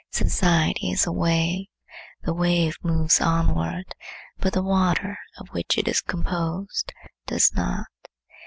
Society is a wave. The wave moves onward, but the water of which it is composed does not.